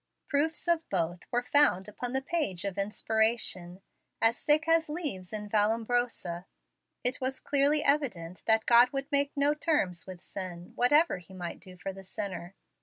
Proofs of both were found upon the page of inspiration "as thick as leaves in Vallombrosa." It was clearly evident that God would make no terms with sin, whatever He might do for the sinner.